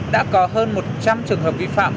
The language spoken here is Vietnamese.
đã có hơn một trăm linh trường hợp vi phạm